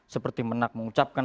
seperti menak mengucapkan